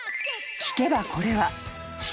［聞けばこれは］